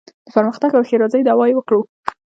د پرمختګ او ښېرازۍ دعوا یې وکړو.